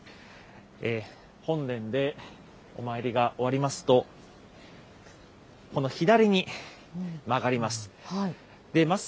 本殿でお参りが終わりますと、この左に曲がります。